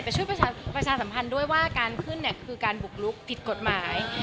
แต่ช่วยประชาสัมพันธ์ด้วยว่าการขึ้นเนี่ยคือการบุกลุกผิดกฎหมาย